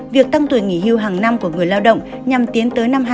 việc tăng tuổi nghỉ hưu hàng năm của người lao động nhằm tiến tới năm hai nghìn hai mươi